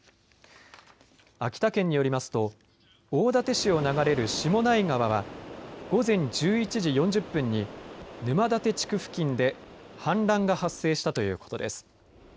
秋田県によりますと大館市を流れる下内川は午前１１時４０分に沼館地区付近で氾濫が発生したということです。